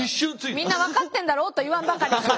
みんな分かってんだろうと言わんばかりに。